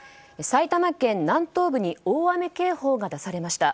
埼玉県南東部に大雨警報が出されました。